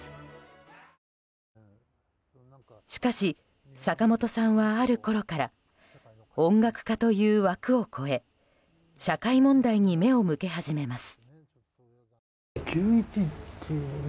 しかし、坂本さんはあるころから音楽家という枠を越え社会問題に目を向け始めます。